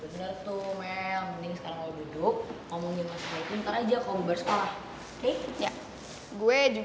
beneran tuh mel mending sekarang lo duduk ngomongin sama saya itu ntar aja kalau bang kobar sekolah oke